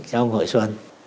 trong hội xuân